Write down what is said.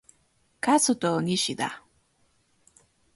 Kazuto Nishida